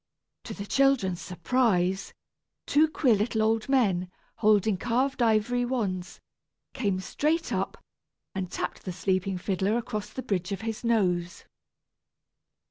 To the children's surprise, two queer little old men, holding carved ivory wands, came straight up, and tapped the sleeping fiddler across the bridge of his nose.